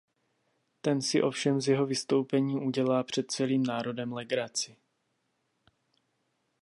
Ten si ovšem z jeho vystoupení udělá před celým národem legraci.